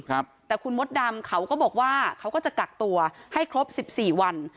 ครับแต่คุณมดดำเขาก็บอกว่าเขาก็จะกักตัวให้ครบสิบสี่วัน